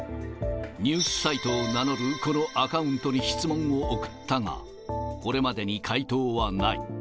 ニュースサイトを名乗るこのアカウントに質問を送ったが、これまでに回答はない。